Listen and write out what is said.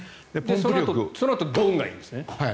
そのあとのドンがいいんですね。